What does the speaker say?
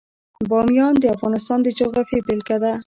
بامیان د افغانستان د جغرافیې بېلګه ده.